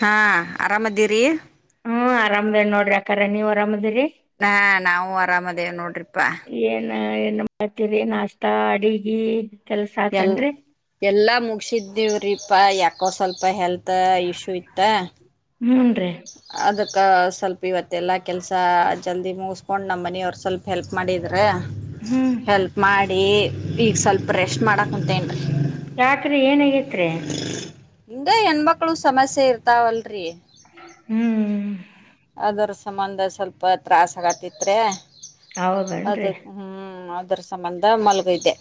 ಹಾ ಆರಾಮದೀರಿ. ಹ್ಮ್ ಆರಾಮದ ನೋಡ್ರಿ ಅಕರೇ ನೀವ್ ಅರಾಮದ್ರರಿ. ಹಾ ನಾವು ಆರಾಮದೇವ್ ನೋಡ್ರಿಪಾ. ಏನ್ ಏನ್ ಮಾಡ್ತೀರಿ ನಾಸ್ಟಾ ಅಡಿಗಿ. ಕೆಲ್ಸ ಎಲ್ ಆತನ್ರಿ ಎಲ್ಲಾ ಮುಗಸಿದ್ದೀವ್ರಿಪಾ ಯಾಕ ಯಾಕೋ ಸ್ವಲ್ಪ ಹೆಲ್ತ್ ಇಶ್ಯೂ ಇತ್ತ. ಹ್ಮ್ ರೀ ಅದಕ್ಕ ಸ್ವಲ್ಪ ಇವತ್ತೆಲ್ಲ ಕೆಲಸ ಜಲ್ದಿ ಮುಗಿಸ್ಕೊಂಡು ನಮ್ಮ ಮನೆಯವ್ರು ಸ್ವಲ್ಪ ಹೆಲ್ಪ್ ಮಾಡಿದರೆ. ಹ್ಮ್ ಹೆಲ್ಪ್ ಮಾಡಿ ಈಗ ಸ್ವಲ್ಪ ರೆಸ್ಟ್ ಮಾಡಕ್ ಕುಂತೇನ್ರೀ. ತ್ರೆ ಹಿಂಗ ಹೆಣ್ಮಕ್ಳು ಸಮಸ್ಯೆ ಇರ್ತಾವಲ್ರರಿ. ಹ್ಮ್ ಹ್ಮ್ ಅದರ ಸಂಬಂಧ ಸ್ವಲ್ಪ ತ್ರಾಸ ಆಗತಿತ್ರೇ. ಅದ ಹೌದನ್ರಿ ಹ್ಮ್ ಅದ್ರ ಸಂಬಂಧ ಮಲಗಿದ್ದೆ.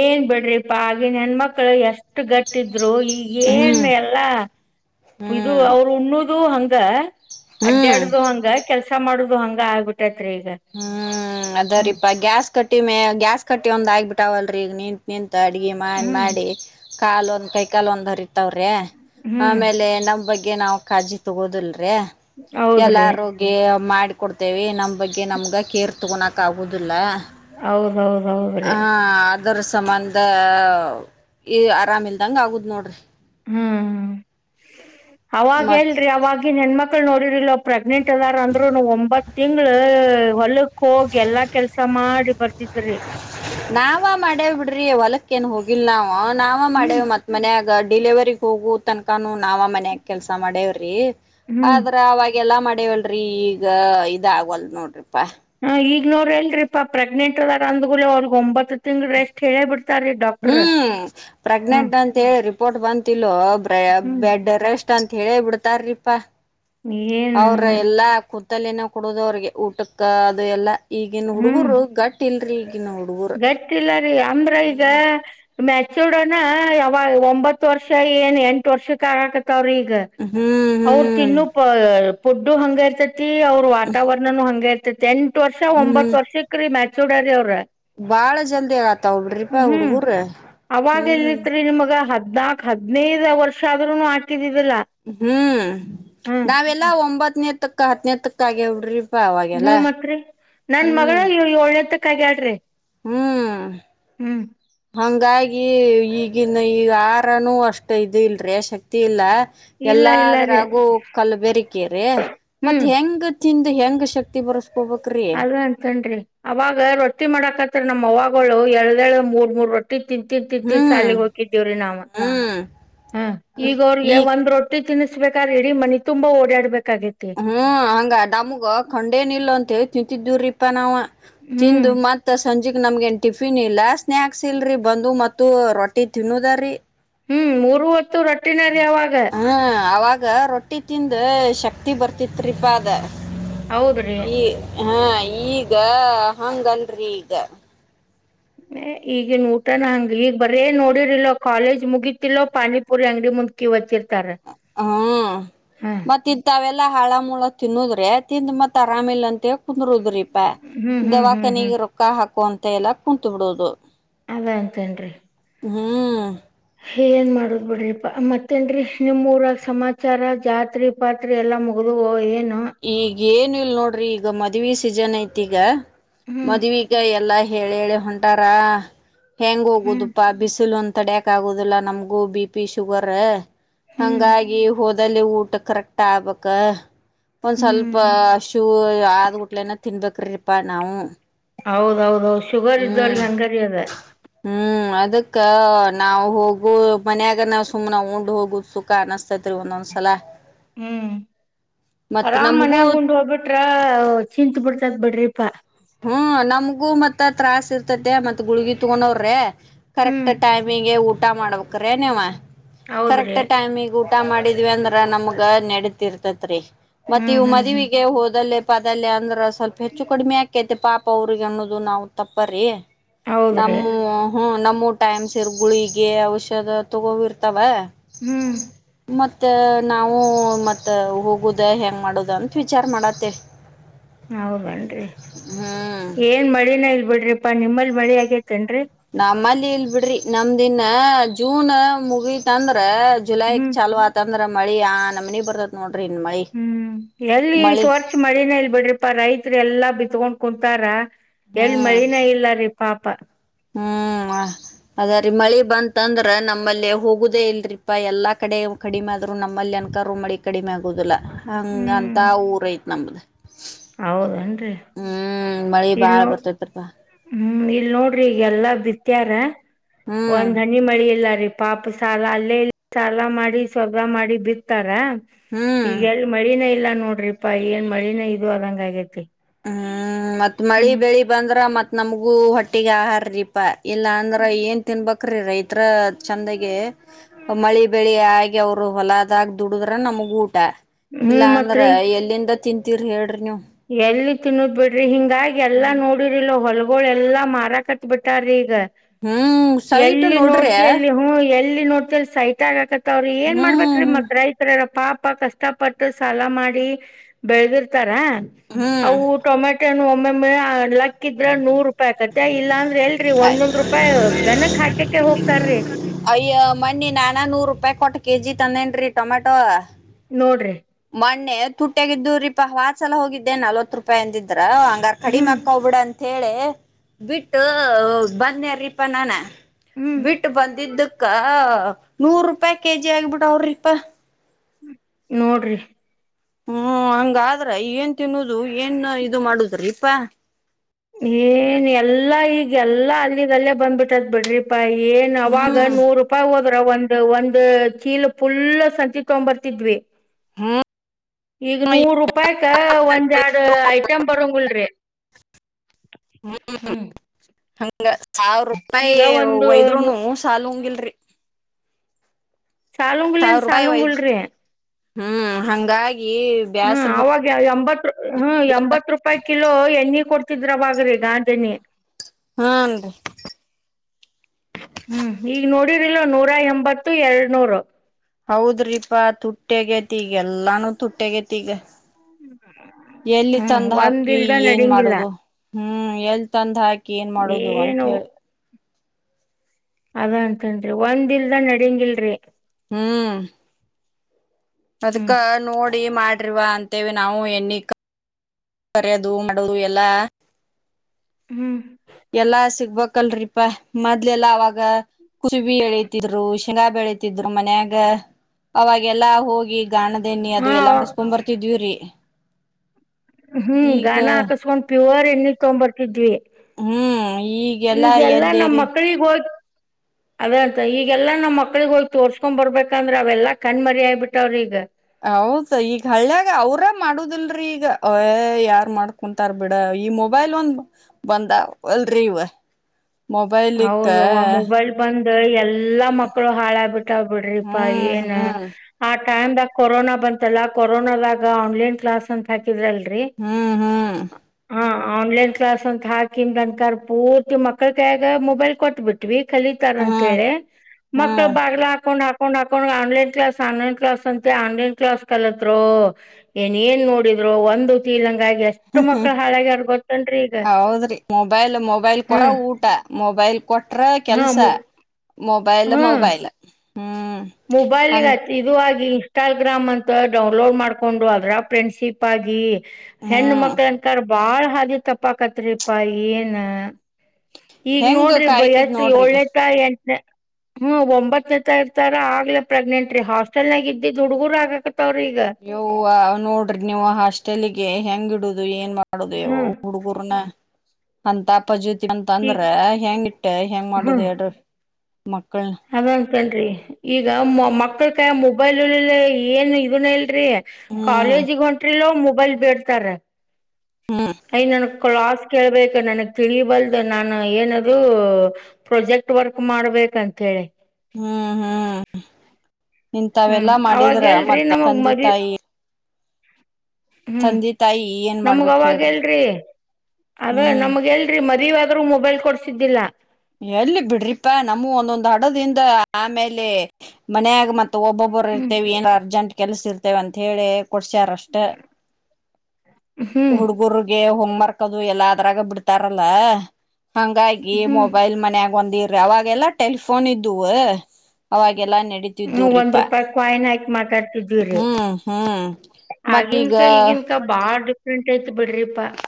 ಏನ್ ಬಿಡ್ರಿಪ್ಪಾ ಹಾಗಿನ್ ಹೆಂಣ್ಮಕ್ಳು ಎಷ್ಟು ಗಟ್ಟಿದ ಆದ್ರು ಈಗ ಏನ್ ಹ್ಮ್ ಎಲ್ಲಾ ಇದು ಹ್ಮ್ ಅವರು ಉಣ್ಣದು ಹಂಗ ಅಡ್ಡ ಹ್ಮ್ ಆಡೋದು ಹಂಗ ಕೆಲ್ಸ ಮಾಡುದು ಹಂಗ ಆಗ್ಬಿಟ್ಟೈತಿ ಹ್ಮ್ ಅದರಿಪಾ ಗ್ಯಾಸ್ ಕಟ್ಟಿ ಮ ಗ್ಯಾಸ್ ಕಟ್ಟಿ ಒಂದ ಆಗ್ಬಿಟ್ಟಾವಲ್ರೀ ಈಗ ನಿಂತ ನಿಂತತ್ ಅಡ್ಗೆ ಮಾಡ ಹ್ಮ್ ಮಾಡಿ ಕಾಲ್ ಒಂದ್ ಕೈ ಕಾಲ್ ಒಂದ್ರಿ ತವ್ರೇ ಹ್ಮ್ ಆಮೇಲೆ ನಮ್ ಬಗ್ಗೆ ನಾವ್ ಕಾಜಿ ತಗೋದಿಲ್ರಿ ಹೌದ್ರಿ ಎಲ್ಲಾರೋಗ ಮಾಡಿಕೊಡ್ತೇವಿ ನಮ್ ಬಗ್ಗೆ ಅದೆ ನಮ್ಗೆ ಕೇರ್ ತೊಗೊಳಕ ಆಗೋದಿಲ್ಲ ಹೌದೌದೌದ್ರೀ ಅದರ ಸಂಬಂಧ ಈ ಆರಾಮ ಇಲ್ದಂ ಆಗುದು ನೋಡ್ರಿ ಹ್ಮ್ ಅವಾಗ ಮತ್ ಹೇಳರಿ ಅವಾಗಿನ್ ಹೆಣ್ಮಕ್ಳು ನೋಡಿರಲ್ಲ ಪ್ರ್ ನಿಂಟದಾರ ಅಂದ್ರರು ಒಂಬತ್ ತಿಂಗಳ ಹೊಲಕ್ಕ ಹೋಗಿ ಎಲ್ಲಾ ಕೆಲ್ಸ ಮಾಡಿ ಬರ್ತಿದ ನಾವ ಮಾಡೇವ್ ಬಿಡ್ರಿ ಹೊಲಕ್ಕ ಏನ್ ಹೋಗಿಲ್ಲ ನಾವ್ ನಾವ ಹ್ಮ್ ಮಾಡೇವ ಮತ್ ಮನ್ಯಾಗ ಡಿಲಿವರಿಗ್ ಹೋಗು ತನ್ಕಾನು ನಾವ ಮನ್ಯಾಗ ಕೆಲ್ಸ ಮಾಡೇವ್ರಿ ಹ್ಮ್ ಆದ್ರ ಅವಾಗೆಲ್ಲ ಮಡ ಅಡೇವಲ್ರರಿ ಈಗ ಇದ ಆಗಲ್ ನೋಡ್ರಿಪಾ ಹ ಈಗ್ ನೋರ ಎಲ್ರಿ ಪ ಪ್ರೆಗ್ನೆಂಟ್ ಅದ ಅಂದ್ ಅವ್ರಗ್ ಒಂಬತ್ ತಿಂಗ್ ರೆಸ್ಟ್ ಹೇಳೇ ಬಿಡ್ತ ಹ್ಮ್ ಪ್ರೆಗ್ನೆಂಟ್ ಅಂತೇಳಿ ರಿಪೋರ್ಟ್ ಬಂತಿಲ್ಲ ಹ್ಮ್ ಬೆಡ್ ರೆಸ್ಟ್ ಅಂತ ಹೇಳೇ ಬಿಡ್ತಾರ್ರಿಪಾ ಏನ್ ಅವ್ರ ಎಲ್ಲಾ ಕುಂತಲ್ಲೇ ಕೊಡುದು ಅವ್ರಿಗೆ ಊಟಕ್ಕ ಅದು ಎಲ್ಲಾ ಈಗನ್ ಹುಡುಗರು ಗಟ್ ಇಲ್ರಿ ಈಗಿನ ಹುಡುಗರು ಗಟ್ಟಿಲ್ಲ ರೀ ಅಮ್ರ ಈಗ ಮೆಚೂರ್ಡ್ನ ಯಾವ ಒಂಬತ್ತು ವರ್ಷ ಏನ್ ಎಂಟ ವರ್ಷಕ್ಕೆ ಆಕ ಅವ್ರೀಗ ಹ್ಮ್ ಅವ್ರ ಹ್ಮ್ ತಿನ್ನು ಪ ಪೊಡ್ಡು ಹಂಗ ಇರ್ತ ಪ್ರತಿ ಅವ್ರ ವಾತಾವರಣನು ಹಂಗ ಇರ್ತತಿ ಎಂಟಟ್ ವರ್ಷ ಒಂಬತ್ ಹ್ಮ್ ವರ್ಷಕ್ ರೀ ಮ್ಯಾಚ್ಯೂರ್ರಿ ಅವ್ರ ಬಾಳ ಜಲ್ದಿ ಆಗತ್ತಾವ ಬಿಡ್ರಿಪಾ ಹ್ಮ್ ಹ್ಮ್ ಹುಡ್ಗುರ್ ಅವಾಗ ಹ್ಮ್ ಎಲ್ಲಿತ್ರಿ ನಿಮ್ಗ ಹ ಹದಿನಾಕ್ ಹದಿನೈದ ವರ್ಷ ಆದ್ರೂನು ಹಾಕಿದ ಹ್ಮ್ ನಾವೆಲ್ಲಾ ಒಂಬತ್ತನೇತ್ತಕ್ಕ ಹತ್ತನೇತ್ತಕ್ಕ ಆಗ್ಯವಡ್ರಿ ಹ್ಮ ಮತ್ರಿ ನನ್ ಮಗಳ ಏಳ್ನತ್ತಕ್ಕಗ್ಯಾಡ್ರಿ ಹ್ಮ್ ಹ್ಮ್ ಹಂಗಾಗಿ ಈಗಿನ ಈಗ ಆಹಾರೂ ಅಷ್ಟು ಇದದು ಇಲ್ರಿ ಶಕ್ತಿ ಇಲ್ಲ ಇಲ್ಲ ಇಲ್ಲ ರೀ ಎಲ್ಲಾದ್ರಗು ಕಲ್ಲ ಬೆರಿಕ ರೀ ಮತ್ತ್ ಹ್ಮ್ ಹೆಂಗ ತಿಂದು ಹೆಂಗ ಶಕ್ತಿ ಬರ ಅದ ಅಂತನ್ರಿ ಅವಾಗ ರೋಟಿ ಮಾಡಕತ್ರ ನಮ ಅವವಾಗಳು ಎಳ್ದಳ ಮೂರ್ ಮೂರ್ ರತ್ತಿ ಟ್ಟ ತಿಂತ ತಿಂತಿ ಹ್ಮ್ ಶಾಲೆಗೆ ಹೋಗಿದ್ದೀವ್ರಿ ನಾವ್ ಹ್ಮ್ ಹ ಈ ಈಗ ಅವ್ರಿಗೆ ಈ ಒಂದ್ ರೊಟ್ಟಿ ತಿನಿಸ್ಬೇಕಾದ್ರೆ ಇಡೀ ಮನೆ ತುಂಬ ಓಡಾಡ್ಬೇಕು ಹ್ಮ್ ಹಂಗಡಮಗ ಖಂಡೇನಿಲ್ಲ ಅಂತ ತಿಂತಿದ್ದವ್ರಿಪಾ ನಾವ ಹ್ಮ್ ತಿಂದು ಮತ್ತ ಸಂಜೆಕ್ ನಮ್ಗೆ ನ್ ಟಿಫಿನ್ ಇಲ್ಲ ಸ್ನ್ಯಾಕ್ಸ್ ಇಲ್ರಿ ಬಂದು ಮತ್ತು ರೋ ರೊಟ್ಟಿ ತಿನನೋದ ರೀ ಹ್ಮ್ ಮೂರು ಹೊತ್ತು ರೂಟೀನೆ ಹ್ಮ ಅವಾಗ ರೊಟ್ಟಿ ತಿಂದ ಶಕ್ತಿ ಬರ್ತಿತ್ರಿಪಾ ಅದ ಹೌದ್ರಿ ಈ ಹಾ ಈಗ ಹಂಗನ್ರಿ ಈಗ ಈಗನ್ ಊಟನ ಹಂಗ ಈಗಗ್ ಬರೇ ನೋಡಿರ್ಲ್ಲೋ ಕಾಲೇಜ್ ಮುಗಿತಿಲ್ಲೋ ಪಾನಿಪುರಿ ಅಂಗಡಿ ಮು ಮೂಕಿ ವಥೂರ್ ಹ್ಮ ಮತ್ತ ಇತ್ತ ಅವೆಲ್ಲ ಎಲ್ಲ ಹಾಳ ಮೂಳ ತಿನ್ನುದ್ರೆ ತಿಂದ ಮತ್ ಆರಾಮ ಇಲ್ಲ ಅಂತ ಕುಂದರುದ್ರಿಪಾ ಹ್ಮ್ ಹ್ಮ್ ಹ್ಮ್ ಹ್ಮ್ ದವಾಖನಿಗೆ ರೊಕ್ಕ ಹಾಕು ಅಂತ ಎಲ್ಲ ಕುತ್ ಬಿಡೋದು ಅದಂತನ್ರಿ ಹ್ಮ್ ಏನ್ ಮಾಡುದ್ ಬಿಡ್ರಿ ಮತ್ತೇನ್ರಿ ನಿಮ್ಮ್ ಊರಾಗ ಸಮಾಚಾರ ಜಾತ್ರೆ ಪಾತ್ರೆ ಎಲ್ಲಾ ಮುಗ್ದ ಏನ್ ಈಗ ಏನ್ ಇಲ್ ನೋಡ್ರಿ ಈಗ ಮದ್ ಸೀಜನ್ ಐತಿ ಈಗ ಹ್ಮ್ ಮದ್ಗ ಎಲ್ಲಾ. ಹೇಳ ಹೇಳಿ ಹೊಂಟಾರ ಹೆಂಗ ಹ್ಮ್ ಹೋಗುದಪ್ಪ ಬಿಸಿಲು ಅಂ. ತಡಕ್ ಆಗುದಿಲ್ಲ ನಮಗೂ ಬಿ ಪಿ ಶುಗರ್ ಹ್ಮ್ ಹಾಂಗಾಗಿ ಹೂ. ಅದಲ್ಲಿ ಊಟ ಕರೆಕ್ಟ್ ಆಗ್ಬೇಕಕ್. ಒಂದ್ ಸ್ವಲ್ಪ ಹ್ಮ್ ಶೂ ಆದ್ ಗುಟ್ಲೆ ಏನ ತಿನ್ಬೇಕ್ರಿಪಾ ನಾವು. ಹೌದೌದೌದು ಶುಗರ್ ಇದ್ದ ಹ್ಮ್ ಅಲ್ಲಿ ಹೆಂಗರಿ ಅದೆ. ಹ್ಮ್ ಅದಕ್ಕ ನಾವವು ಹೋಗು ಮನ್ಯಾಗ ನಾವ್ ಸುಮ್ನ ಉಂಡ್ ಹೋಗುದ ಸುಖ ಅನಸ್ತೈತ್ರಿ ಒಂದೊ. ಆಲಹ. ಹ್ಮ್. ಆರಾಮ್ ನಮ್ಗೂ ಮನ್ಯಾಗ ಉಂಡ್ ಹೋಗ್ಬಿಟ್ರ ಚಿಂತತ್ ಬಿಡ್ತದ್ ಬಿಡ್ರಿಪಾ. ಹ್ಮ್ ನಮಗೂ ಮತ್ತತ್ ತ್ರಾಸ್ ಇರ್ತತೆ ಮತ್ತತ್ ಗುಳಗಿ ತಗೊಂಡವ್ರೆ. ಕರೆಕ್ಟ್ ಹ್ಮ್ ಟೈಮಿಗೆ ಊಟ ಮಾಡ್ಬೇಕ್ರೆ ನೀವ ಹೌದ್ರಿ ಕರೆಕ್ಟ್ ಟೈಮಿಿಗೆ ಊಟ ಮಾ. ನಿದ್ವಿ ಅಂದ್ರ ನಮಗ ನೆಡತಿರ್ತತ್ ರೀ ಮತ್ತ ಹ್ಮ್ ಇ್ ಹ್ಮ್ ಹ್ಮ್ ಮದುವಿಗೆ ಹೋದಲ್ಲ. ಪಪದಲ್ಲಿ ಅಂದ್ರ ಸ್ವಲ್ಪ ಹೆಚ್ಚು ಕಡಿಮೆ ಆಾಕೈತೆತಿ ಪಾಪ ಅವ್ರಿಗೆ ಅನ್ನೋದು ನಾವು ತಪ್ಪರೀ. ಹೌದ್ರಿ ನಮ್ಮೂ ಹ್ಮ್ ನಮ್ಮೂ ಟೈಮ್ಸರ್ಗುಳಿಗೆ ಔಷಧ ತಗೋಿರ್ತಾವ. ಹ್ಮ್. ಮತ್ತು ನಾವು ಮತ್ತು ಹೋಗೋುದ ಹೆಂಗೆ ಮಾಡೋುದ ಅಂತ ವಿಚಾರ ಮಾಡತ್ತೇ. ಹೌದೇನ್ರಿ ಏನ್ ಮಳಿನ ಇಲ್ ಬಿಿಡ್ರಿಪ್ಪಾ ನಿಮ್ಮಲ್ಲಿ ಮಳಿ ಆಗೇತಿ. [unintelligible] ನಮ್ಮಲ್ಲಿ ಇಲ್ ಬಿಡ್ರಿ ನಮ್ದಿನ ಜೂನ್ ಮುಗ ಅಂದ್ರ ಜುಲೈ ಹ್ಮ್ ಚಲುವತಂದ್ರ. ಮಳಿಾ ನಮನಿ ಬರ್ತತ್ ನೋ. ಹ್ಮ್ ಎಲ್ಲಿ ಸರ್ಚ್ ಮಳಿನ ಇಲ್ ಬಿಡ್ರಿ. ಪಾಪ ರೈತ್ ಎಲ್ಲಾ ಬಿ ತಗೊಂಡ್ ಕುಂತಾರ ಎಲ್ ಹ್ಮ್ ಮಳಿನ ಇಲ್ಲ ರೀ ಪಾಪ. ಹ್ಮ್. ಅದ್ರೀ ಮಳಿ ಬಂತಂದ್ರ ನಮ್ಮಲ್ಲಿ ಹೋಗುದೇ ಇಲ್ರಿಪಾ ಎಲ್ಲಾ ಕಡೆ ಕಡಿಮೆ ಆದ್ರು ನಮ್ಮಲ್ಲಿ. ನ್ ಕ ಮಾಡಿ ಕಡಿಮೆ ಆಗುದಿಲ್ಲ ಹಂಗ ಹ್ಮ್ ಅಂತ ಊರಐತ್ ನಮ್ದ. ಹೌದನ್ರಿ. ಹ್ಮ್ ಮಳಿ ಇಲ್ ಬಾಳ್ ನೋ ಬರ್ತೈತ್ರಿಪಾ ಹ್ಮ್ ಇಲ್ ನೋಡ್ರಿ ಈಗ ಎಲ್ಲಾ ಬಿತ್ಯಾರ. ಹ್ಮ್ ಒಂದ್ ಹನಿ ಮಳಿ ಇಲ್ಲ ರೀ. ಪಾಪ ಸಾಲ ಅಲ್ಲೇ ಇಲ್ಲಿ ಸಾಲ ಮಾಡಿ ಸ್ವರ್ಗ ಮಾಡಿ ಬಿತಾರ. ಈಗ ಹ್ಮ್ ಎಲ್ ಮಳಿನ ಇಲ್ಲ ನೋಡ್ರಿಪಾ ಏನ್ ಮಳಿನ ಇದು ಅದಂಗ ಆಗೇತಿ. ಹ್ಮ್ ಮತ್ ಮಳಿ ಹ್ಮ್ ಬೆಳಿ ಬಂದ್ರ ಮತ್ ನಮಗೂ ಹೊಟ್ಟಿಗೆ ಆಹಾರ ರೀಪ. ಇಲ್ಲ ಅಂದ್ರ ಏನ್ ತಿನ್ಬೇಕ್ರಿ ರೈತರ ಚಂದಾಗ ಮಳೆ ಬೆಳಿ ಆ. ಅವರು ಹೊಲದಾಗ ದುಡುದ್ರ ನಮಗ ಊಟ ಹ್ಮ್ ಇಲ್ಲಾ ಅಂದ್ರ ಮತ್ರಿ ಎಲ್ಲಿಂದ. ತಿಂತೀರಿ ಹೇಳಿರಿ ನೀವು. ಎಲ್ಲಿ ತಿನ್ನದ್ ಬಿಡ್ರಿ ಹಿಂಗಾಗಿ ಎಲ್ಲಾ ಹ್ಮ್ ನೋಡಿರಿಿಲ್ಲ ಹೊಲ್ಗ. ಎಲ್ಲ ಮಾರ ಕತ್ ಬಿಟ್ಟಾರೀ ಈಗ ಹ್ಮ್ ಸೈಟ್ ಎಲ್ಲಿ ನೋಡ್ರಿ ನೋಡ್ತಿ ಅಲ್ಲಿ ಹ ಎ. ನೋಡ್ತ ಸೈಟ್ ಆಗ ಆಕತ್ತತ್ ಅವ್ರಿ ಏನ್ ಮಾಡ್ಬೇಕ್ರೀ ಹ್ಮ್ ಮತ್ ರೈತರ. ಪಾಪ ಕಷ್ಟಪಟ್ಟು ಸಾಲ ಮಾಡಿ ಬೆಳದಿರ್ತಾರ. ಹ್ಮ್ ಅವು ಟಮೆಟೊ ನು ಒಮೆ ಆಲ. ಹಾಕಿದ್ರ ನೂರ್ ರೂಪಾಯಿ ಆಕತ ಇಲ್ಲಾಂದ್ರ ಎಲ್ರಿ ಒಂದೊಂದ್ ರೂಪಾಯಿ ಬೆನಕ್ ಹಾಕಕ್ಕೆ ಹೋಗ್ತಾರಿ. ಅಯ್ಯ ಮನ್ನಿ ನಾನ ನೂರು ರೂಪಾಯಿ ಕೊಟ್ಟ ಕೆಜಿ ತಂದೇನ್ೀ ಟೊಮ್ಯಾಟೊ. ನೋಡ್ರಿ. ಮಣ್ಣೆ ತುಟ್ಟ್ಯಾಗಿದ್ದು ರೀಪಾ ವಾತ್ಸಲ ಹೋಗಿದ್ದೆ ನಲ್ವತ್ತು ರೂಪಾಯಿ ಅಂದಿದ್ದೆ. ಅ್ರ ಹಂಗಾರ್ ಹ್ಮ್ ಕಡಿಮಕ್ಕ ಬಿಡ ಅಂತ. ಹೇಳಿ ಬಿಟ್ಟು ಬಂದನರೀಪ ನಾನ. ಹ್ಮ್ ಬಿಟ್ಟು ಬಂದಿದ್ದಕ್ಕ ನೂರು ರೂಪಾಯಿ ಕೆಜಿ ಆಗ್ಬಿಡ ಅವ್ರಿಪಾ. ನೋಡ್ರಿ. ಹ್ಮ್ ಹಂಗಾದ್ರ ಏನ್ ತಿನ್ನುದು ಏನ್ ಇದು ಮಾಡುದ್ರಿ ಇಪ್ಪಾ. ಏನ್ ಎಲ್ಲಾ ಈಗ ಎಲ್ಲಾ ಅಲ್ಲಿಗೆ ಅಲ್ಲೇ ಬಂದ್ಬಿಟ್ಟದ್ ಬಿಡ್ರಿ ಪಾಯಿ. ಏನ ಅವಾಗ ಹ್ಮ್ ನೂರು ರೂಪಾಯಿ ಹದ ರ ಒಂದು ಒಂದ ಚೀಲ ಫುಲ್ ಸಜ್ಜಿ ತಗೊಂಡ್ ಬರ್ತಿದ್ವಿ. ಹ್ಮ್ ಈಗ ನೂರ್ ರೂಪಾಯಕ್ ಒಂದ್ ಎರಡು ಐಟಮ್ ಬರಂಗಲ್ರರಿ. ಹ್ಮ್ ಹ್ಮ್ಮ್ ಹಂಗ ಸಾವಿರ ರೂಪಾಯಿ ಈಗ ಒಂದು ಒಯದ್ರುನು ಸಾಲುಂಗ ಇಲ್ಲ. ರಿ. ಸಾಲುಂಗ ಇಲ್ಲ ಅಲ್ಲ ರೂಪಾಯಿ ಸಾಲುಂಗ ಇಲ್ಲ ಒಯ್ದು ರಿ. ಹ್ಮ್ ಹಂಗಾಗಿ ಹ್ಮ ಬ್ಯಾಸ್ರ ಬ ಅವಾಗ ಎಂಬತ್ ಹ್ಮ ಎಂಬತ್ ರೂಪಾಯಿ ಕಿಲೋ ಎಣ್ಣೆ ಕೊಡ್ತಿದ್ರ ಅವಾಗ ರಿ ಗಾಣದ ಎಣ್ಣಿ. ಹನ್ರಿ ಹ್ಮ್ ಈಗ ನೋಡ್. ರಿ ಇಲ್ಲೋ ನೂರ ಎಂಬತ್ತು ಎರಡ ನೂರು. ಹೌದ್ರಿಪಾ ತುಟ್ಟಿ ಆಗೆತಿ ಈಗ ಎಲ್ಲಾನು ತುಟ್ಟಿ ಆಗೆತಿ ಈಗ. ಎಲ್ಲಿ ಹ್ಮ್ ತಂದ ಹಾಕಿ ಒಂದಿಲ್ದ ಏನ್ ನಡಿಂಗಿಲ್ಲ ಮಾಡುದು ಹ್ಮ್ ಎಲ್ಲಿ ತಂದ ಹಾಕ್ ಕಿ ಏನ್ ಮಾಡೋದು ಅಂತ ಏನು ಹೇಳಿ. ಅದ ಅನಕಂತೇವ ಒಂದ್ ಇಲ್ದ ನಡಂಗಿಲ್ರಿ. ಹ್ಮ್. ಅದ್ಕ್ಕ ಹ್ಮ್ ನೋಡಿ ಮಾಡ ರಿವಾ ಅಂತೇವೆ ನಾವು ಎನ್ನಿ ಕರೆಯೋದು ಮಾಡೊದು ಎಲ್ಲಾ. ಹ್ಮ್. ಎಲ್ಲಾ ಸಿಗ್ಬೇಕಲ್ರರಿಪ್ಪಾ ಮೊದಲ ಎಲ್ಲಾ ಅವಾಗ ಕುಸುಬಿ ಏಳಿತಿದ್ರು. ಶಂಗ ಬೆಳೀತಿದ್ರು ಮನ್ಯಾಗ ಅವಾಗೆಲ್ಲಾ ಹೋಗಿ. ಗಾಣದ ಎಣ್ಣಿ ಅದು ಹಾ ಎಲ್ಲಾ ಮಾಡ್ಕೊಂಡ ಬರ್ತಿದ್ವಿ್ರೀ. ಹ್ಮ್ ಗಾಣ ಹಾಕಸ್ಕೊಂಡ್ ಪ್ಯೂರ್ ಎಣ್ಣಿ ತಗೊ್ ಬರ್ತಿದ್ವಿ. ಹ್ಮ್ ಈಗೆಲ್ಲಾ ನಮ ಎಲ್ಲಿರಿ ಮಕ್ಕಳಿಗಿ ಹೋಗಿ ಅದೇ ಅಂತ ಈಗಲ್ಲ ನಮ್ಮ ಮಕ್ಳಗ್ ಹೋಗಿ ತೋರ್ಸ್ಕೊಂಡ್ ಬರ್ಬೇಕಂದ್ರೆ ಅವೆಲ್ಲಾ ಕಣ್ಮರಿ ಆಗಿ ಬಿಟ್ಟವ ರಿ ಈಗ. ಹೌದ ಈಗ ಹಳ್ಳ್ಯಾಗ ಅವ್ರ ಮಾಡುದಲ್ರೀ ಈಗ ವ್ಯ ಯಾರ್ ಮಾಡ್ಕೊಂತಾರ್ ಬಿಡ. ಈ ಮೊಬೈಲ್ ಒಂದ ಬಂದ ಅಗ ವಾಲ ರಿ ಇವ. ಮೊಬೈಲಿಕ್ಕ ಹೌದು ಯೌವ್ವ ಮೊಬೈಲ್ ಬಂದ. ಎಲ್ಲಾ ಮಕ್ಕಳು ಹಾಳ ಆಗಿ ಬಿಟ್ಟವ ಬಿಡ್ರಿಪಾ ಹ್ಮ್ ಏನ ಹ್ಮ್ ಆ ಟೈಮ್ ದಾಗ ಕೊರೋನಾ ಬಂತಲ್ಲ ಕೊರೋನದಾಗ ಆನ್ಲೈನ್ ಕ್ಲಾಸ್ ಅಂತ ಹಾಕಿ ಹಾಕಿರ ಅಲ್ಲ ರಿ ಹ್ಮ್ ಹ್ಮ್ ಹಾ. ಆನ್ಲೈನ್ ಕ್ಲಾಸ್ ಅಂತ ಹಾಕಿನ್ ಅಂತರ ಪೂರ್ತಿ ಮಕ್ಕಳ ಕೈಯಾಗ ಮೊಬೈಲ್ ಕೊಟ್ಬ ಬಿಟ್ವಿ. ಕಲಿತಾರ ಅಂತ ಹ್ಮ್ ಹೇಳಿ ಮಕ್ಕಳ ಹ್ಮ್ ಬಗಲಾ ಹಾಕೊಂಡ್ ಹ ಹಾಕೊಂಡ್ ಹಾಕೊಂಡ ಆನ್ಲೈನ್ ಕ್ಲಾಸ್ ಆನ್ಲೈನ್ ಕ್ಲಾಸ್ ಅಂತೆ ಆನ್ಲೈನ್ ಕ್ಲಾಸ್ ಕಲತ್ರರೋ ಏನ್ ಇಲ್ ನೋಡಿದ ರೋ ಒಂದು ತಿಳಿಲ ಹಂಗ್ ಈಗ ಹೌದ್ರಿ ಮೊಬೈಲ್ ಮೊಬೈಲ್ ಹಾ ಕೊರ ಊಟ. ಮೊಬೈಲ್ ಕೊಟ್ರ ಹಾ ಕೆಲ್ಸ ಮು ಮೊಬೈಲ ಮೊಬೈಲ. ಮೊಬೈಲ್ ಎಲ್ಲಾ ಕಿದು ಆಗಿ. ಇಟಲ್ಗ್ರಾಮ್ ಅಂತ ಡೌನ್ಲೋಡ್ ಮಾಡ್ಕೊಂಡು ಅದ್ರ ಫ್ರೆಂಡ್ಶಿಪ್ ಆಗಿ ಹೆಣ್ಣ ಹ್ಮ್ ಮಕ್ಕಳ್ ಅಂತರ. ಬಾಳ್ ಹಾದಿ ತಪ್ಪಕತ್ರಿಪಾ ಏನ್. ಈಗ ಹೆಂಗ ನೋಡ್ರಿ ಕಾಯಿದ್ ಎಷ್ಟು ನೋಡ್ರಿ ಈಗ ಏಳ್ನೇತೆ ಎಂಟನೇ ಹ್ಮ ಒಂಬತ್ತ ನೆತ. ತರ ಆಗ್ಲೇ ಪ್ರೆಗ್ನೆಂ ರಿ ಹಾಸ್ಟೆಲ್ ನ್ಯಾಗ ಇದಿದ್ದ ಹುಡುಗುರು ಆಗ ಯ್ವ ನೋಡ್ರಿ ನೀವು ಹಾಸ್ಟೆಲ ಗೆ ಹೆಂಗ ಇಡುದು ಏ ಏನ್ ಮಾಡುದವು ಹ್ಮ್ ಹುಡುಗರನ ಹಂತ ಪಜೂತಿ ಅಂತಂದ್ರ ಹೆಂಗ ಈ ಗ ಹೆಂಗ್ ಮಾಡುದು ಹೇಳರಿ. ಅದ ಅಂಕೋಲ್ರಿ ಈಗ ಮೊ ಮಕ್ಕಳ ಕೈಯಾಗ ಮೊ ಮೊಬೈಲ್ ಏನ್ ಇದನ ಇಲ್ರಿ ಹ್ಮ್ ಕಾಲೇಜ ಗ ಹೊಂಟ್ರ ಇಲ್ಲೋ ಮೊ ಬೈಲ್ ಬೇಡತಾರ ಐ ನನ್ ಕ್ಲಾಸ್ ಕೇೇಳಬೇಕ ನನಗ್ ತಿಳಿ ವಲ್ದಾ ನಾನು ಏನದು ಪ್ರಜೆಕ್ಟ್ ವರ್ಕ್ ಮಾಡ್ಬೇಕ. ಬೇಕ ಅಂತ ಹೇಳಿ. ಹ್ಮ್ ಹ್. ಹ್ಮ್ ನಿಂತಾವೆಲ್ಲಾ ಅವಾಗ ಮಾಡಿದ್ರ ಎಲ್ರಿ ಮತ್ತ ನಮಗ್ ತಂದೆ ಮದ್ವಿ ತಾಯಿ ಹ್ಮ್ ತಂದಿ ತಾಯಿ ಏನ್ ನಮಗ ಮಾಡ್ಬೇಕ್ ಅವಾಗ ಹೇಳ್ರಿ ಎಲ್ರಿ ಅದ ಹ್ಮ್ ನಮ್ಗೆ ಎಲ್ರರಿ ಮದವಿ ಆದ್ರೂ ಮೊಬೈಲ್ ಕೊಡ್ಸಿದ್ದಿಲ್ಲ ಎಲ್ಲಿ ಬಿಡ್ರಿಪಾ ನಮೂ ಒಂದೊಂದ್ ಹಡದಿಂದ ಆಮೇಲೆ ಮನಾಗ ಮತ್ತ ಒಬ್ಬೊಬ್ಬರು ಇರ್ತೇವಿ ಏನ ಅರ್ಜೆಂಟ್ ಕೆಲಸ ಇರ್ತೇವ ಅಂತ ಹೇಳಿ ಕೊಡ್ಸ್ಯಾರಷ್ಟ ಹ್ಮ್ ಹುಡ್ಗರ್ಗೆ ಮರ್ಕೋದು ಎಲ್ಲಾ ಅದರಾಗ ಬಿಡ್ತಾರಲ್ಲ ಹಂಗಾಗಿ ಮೊ ಹ್ಮ್ ಮನೆಗೊಂದು ಅವಾಗೆಲ್ಲ ಟೆಲಿಫೋನ್ ಇದವು ಅವ ಹ ಒಂದ ರೂಪಾಯಿ ಕಾಯನ್ ಹಾಕ್ ಮಾತಾಡ್ [unintelligible] ಹ್ಮ್ ಹ್ಮ್ ಮತ್ತೀಗ ಆಗಿನ್ಕ ಈಗಿನ್ಕ ಬಾಳ ಡಿಫ್ರೆಂಟ್ ಐತ್ ಬಿಡ್ರಿ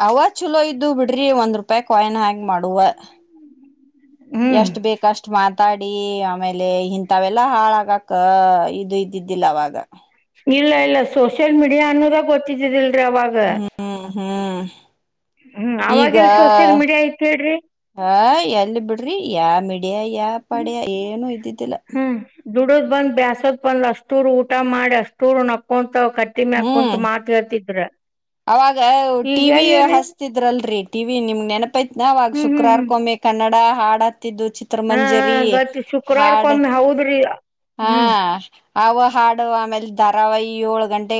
ಅವ ಚಲೋ ಇದ್ದು ಬಿಡ್ರಿ ಒಂದ್ ರೂಪಾಯಿ ಕಾಯಿನ್ ಹ್ಯಾಂಗ್ ಮಾಡುವ ಹ್ಮ್ ಎಷ್ಟ್ ಬೇಕ ಅಷ್ಟ್ ಮಾತ್ರ ಮಾತಾಡಿ ಆಮೇಲೆ ಇಂಥವೆೆಲ್ಲಾ ಹಾಳಾಗಕ ಇದು ಇದ್ದಿದ್ದಿಲ್ಲ ಅವಾಗ ಇಲ್ಲ ಇಲ್ಲ ಸೋಷಿಯಲ್ ಮೀಡಿಯಾ ಅನ್ನೋದ ಗೊತ್ತಿದ್ದಿಲ್ ಹ್ಮ್ ಹ್ಮ್ ಹ್ಮ್ ಈಗ ಅವಾಗೆಲ್ ಸೋಷಿಯಲ್ ಮೀಡಿಯಾ ಐತ್ ಹೇಳ್ರಿ ಹ ಎಲ್ಲಿ ಬಿಡ್ರಿ ಯ ಡ ಏ ಯ ಪಡೇ ಏನು ಇದ್ದಿದ್ದಿಲ್ಲ ದುಡೋದ್ ಬಂದ ಬ್ಯಾಸದ ಬಂದ್ ಅಷ್ಟೂರು ಊಟ ಮಾಡಿ ಅಷ್ಟೂ ನಕ ಕು ಕಟ್ಟಿ ಮೇಲೆ ಹ್ಮ್ ಕುಂತು ಮಾತ ಹೇಳ್ತಿದ್ರ ಅವಾಗ ಈಗ ಟಿವಿ ಎಲ್ಲಿರಿ ಹಸ್ತಿದ್ರಲ್ರರಿ ಟಿವಿ ನಿಮ್ ನೆನಪೈತ್ನ ಅವಾಗ ಹ್ಮ್ ಹ್ಮ್ ಹ್ಮ್ ಶುಕ್ರವಾರ್ಕೊಂಬೆ ಕ ಕನ್ನಡ ಹಾಡ ಹತ್ತಿದ್ದು ಹಾ ಹಾ ಚಿತ್ರಮಂಜರಿ ಗೊತ್ತ್ ಹಾಡ್ ಶುಕ್ರವಾರಕ್ಕೊಮ್ಮೆ ಹೌದ್ರಿ ಹಾ ಹ್ಮ್ ಅವು ಹಾಡು ಆಮೇಲೆ ಧಾರಾವಹಿ ಏಳು ಗಂಟೆ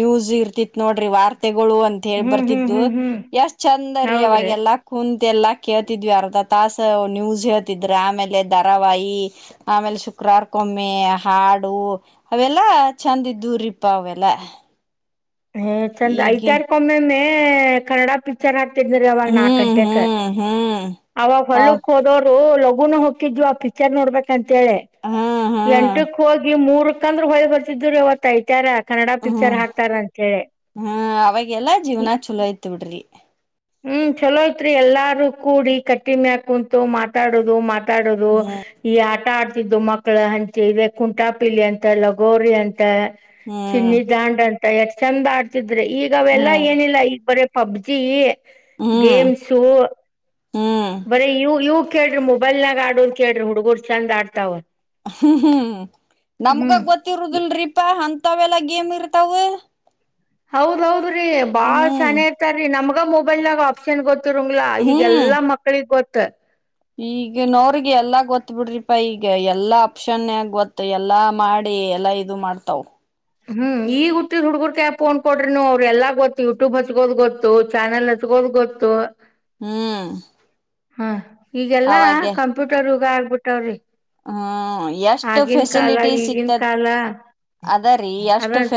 ನ್ಯೂಸ್ ಇರ್ತಿತ್ ನೋಡ್ರಿ ವಾರ್ತೆ ಅಂತ ಹೇಳಿ ಹ್ಮ್ ಹ್ಮ್ ಬರ್ತಿದು ಹ್ಮ್ ಹ್ಮ್ ಯಷ್ಟ ಚಂದ ರೀ ಹೌದ್ರಿ ಅವಾಗಲ್ಲ ಕು ಎಲ್ಲಾ ಕೇಳ್ತಿದ್ವಿ ಅರ್ಧ ತಾಸ ನ್ಯೂಸ್ ಹೇಳ್ತಿದ್ರ ಆಮೇಲೆ ದಾರಾವಹಿ ಆಮೇಲೆ ಶು ಶುಕ್ರವಾರಕೊಮ್ಮೆ ಹಾಡು ಅವೆಲ್ಲಾ ಚಂದ ಇದುರಿಪ್ಪ ಅವೆಲ್ಲ ಹ ಚಂದ ಐತಾರ್ಕೊಮ್ಮೆ ಮೆ ಕನ್ನಡ ಪಿಕ್ಚರ್ ಹಾಕ್ ಇರು ಅವಾಗ ನಾಲ್ಕು ಹ್ಮ್ ಗಂಟೆಗೆೆಗೆ ಹ್ಮ್ ಹ್ಮ್ ಅವಾಗ ಹೌ ಹೊಲ್ಲುಕ್ ಹೋದೋರು ಲಗುನು ಹೋಗಿದು ಆ ಪಿಕ್ಚರ್ ನೋಡ್ಬೇಕ ಅಂತೇಳಿ ಹ್ಮ್ ಹ್ಮ್ ಎಂಟಕ್ ಹೋಗಿ ಮೂರ್ ಹಕಂದ್ರ ಹೊಳಿ ಬರ್ತಿದರು ಇವತ್ತ ಐತಾರ ಕನ್ನಡ ಪಿಕ್ಚರ್ ಹಾಕ್ತಾರ ಅಂತೇಳಿ ಹ್ಮ ಅವಾಗೆಲ್ಲಾ ಜೀವ್ನ ಚಲೋ ಯ್ತ್ ಬಿಡ್ರಿ ಹ್ಮ್ ಚಲೋ ಐತ್ರಿ ಎಲ್ಲಾರೂ ಕೂಡಿ ಕಟ್ಟಿಮೆಕ ಕುಂತು ಮಾತಾಡದು ಮಾ ಆಟ ಆಡೋದು ಈ ಆಟ ಆಡ್ತಿದ್ದು ಮಕ್ಕಳ ಹಂಚಿ ಇದೆ ಕುಂಟಾಪಿಲಿ ಅಂತ ಲಗೋರಿ ಅಂತ ಹ್ಮ್ ಚಿನ್ನಿ ದಾಂಡು ಅಂತ ಎಷ್ಟ ಚಂದ ಆಡ್ತಿದ್ರೆ ಈಗ ಅವೆಲ್ಲಾ ಹ್ಮ್ ಏನಿಲ್ಲ ಈಗ ಬರ ಪಬ್ಜಿ ಹ್ಮ್ ಗೇಮ್ಸು ಹ್ಮ್ ಬರಿ ಇವ್ ಇವ್ ಕೇಳ್ರಿ ಮೊಬೈಲ್ನಾಗ ಆಡನ್ ಕೇಳ್ರಿ ಹುಡ್ಗುರ್ ಚಂದ್ ಆಡ್ತಾವ ಹ್ಮ್ ಹ್ಮ್ ನಮ್ಗಾಗ ಹ್ಮ್ ಗೊತ್ತಿರುದಿಲ್ರೀಪಾ ಅಂತ ಗತ್ತಾವೆಲ್ಲ ಗೇಮ್ ಇರ್ತವು ಹೌದದ್ರಿ ಬಾಳ್ ಚನ ಇರ್ತಾರೀ ನಮ್ಗ ಮೊಬೈಲನಾಗ ಆಪ್ಷನ್ ಗೊತ್ತ ಗೊತ್ತರುಲಾ ಈಗ ಏಲ್ಲಾ ಮಕ್ಳಗ್ ಗೊತ್ತ ಈಗ ನೋರಿಗೆ ಎಲ್ಲಾ ಗೊತ್ತ ಬಿಡ್ರಿಪಾ ಈಗ ಎಲ್ಲಾ ಆಪ್ಷನ್ಗ ಗೊತ್ತ ಎಲ್ಲಾ ಮಾಡಿ ಎಲ್ಲಾ ಇದು ಮಾಡ್ತಾವ ಹ್ಮ್ ಈಗ ಹುಟ್ಟಿದ್ ಹುಡ್ಗುರ್ಕ ಫೋನ್ ಕೊಡ್ರಿನು ಅವ್ರ ಎಲ್ಲಾ ಗೊತ್ತು ಯೂಟ್ಯೂಬ್ ಹಕೋದ್ ಗೊತ್ತು ಚಾನಲ್ ಹು ಕೋಡ್ ಗೊತ್ತು ಹ್ಮ್ ಹ ಈಗೆಲ್ಲಾ ಅವಾಗೆ ಕಂಪ್ಯೂಟರ್ ಯುಗ ಆಗ್ಬಿಟ್ಟವ್ರಿ ಹ್ಮ್ ಎಷ್ಟ ಆಗಿನ ಕಾಲ ಫೆಸಿಲಿಟಿ ಈಗಿನ ಸಿಕ್ತತ್ ಕಾಲ ಅದರಿ ಎಷ್ಟ ಅದ ಫೆ